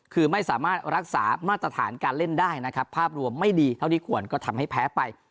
คือไม่สามารถรักษามาตรฐานการเล่นได้นะครับภาพรวมไม่ดีเท่าที่ควรก็ทำให้แพ้ไป